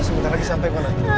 sebentar lagi sampai